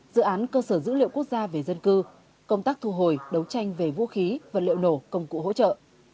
dự án cơ sở dữ liệu quốc gia về dân cư công tác thu hồi đấu tranh về vũ khí vật liệu nổ công cụ hỗ trợ